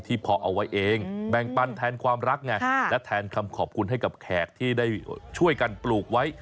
พอเอาไว้เองแบ่งปันแทนความรักไงและแทนคำขอบคุณให้กับแขกที่ได้ช่วยกันปลูกไว้